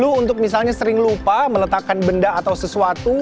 dulu untuk misalnya sering lupa meletakkan benda atau sesuatu